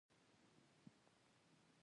د مدرسو په باور هر څه په کې نه وي.